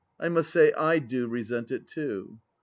I must say I do resent it too.